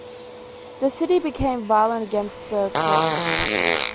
The city became violent against the Copts.